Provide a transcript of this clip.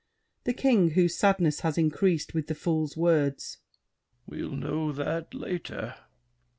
THE KING (whose sadness has increased with the Fool's words). We'll know that later.